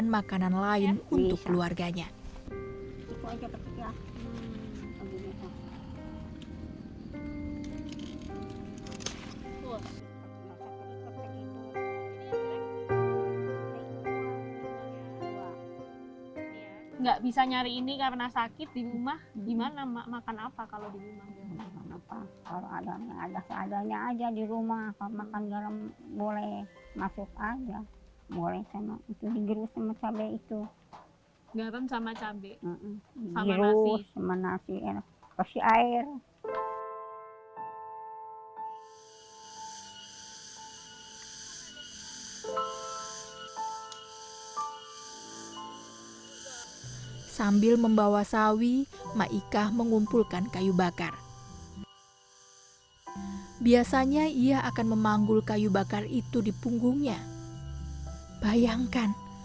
dikasih tuh kawan dikasihkan